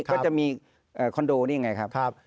ก็จะมีคอนโดนี่อย่างไร